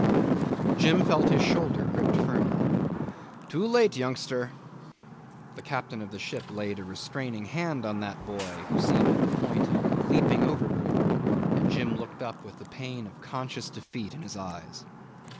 Jim felt his shoulder gripped firmly. 'Too late, youngster.' The captain of the ship laid a restraining hand on that boy, who seemed on the point of leaping overboard, and Jim looked up with the pain of conscious defeat in his eyes.